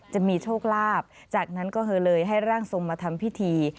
จะมีโชคลาภจากนั้นก็คือเลยให้ร่างทรงมาทำพิธี